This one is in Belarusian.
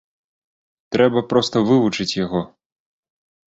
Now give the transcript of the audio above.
Трэба проста вывучыць яго.